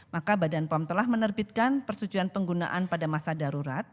maka badan pom telah menerbitkan persetujuan penggunaan pada masa darurat